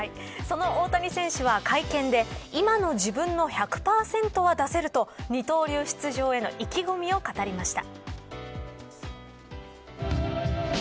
大谷選手は会見で今の自分の１００％を出せると二刀流出場への意気込みを語りました。